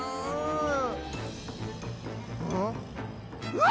うわ！